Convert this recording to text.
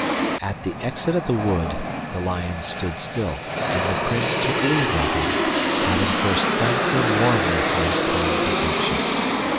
At the exit of the wood the lion stood still, and the Prince took leave of him, having first thanked him warmly for his kind protection.